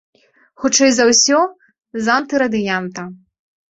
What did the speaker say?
Хутчэй за ўсё, з антырадыянта.